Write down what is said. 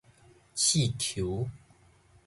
刺虯